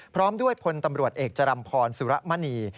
พร้อมด้วยพลตำรวจเอกจรัมพรสุรมณี